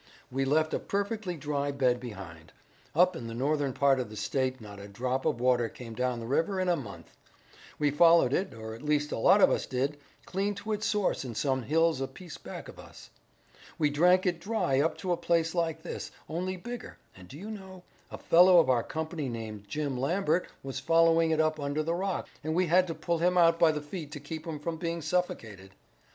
We left a perfectly dry bed behind. Up in the northern part of the state not a drop of water came down the river in a month. We followed it, or at least a lot of us did, clean to its source in some hills a piece back of us. We drank it dry up to a place like this, only bigger, and do you know, a fellow of our company named Jim Lambert was following it up under the rocks, and we had to pull him out by the feet to keep him from being suffocated.